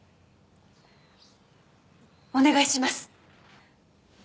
「お願いします」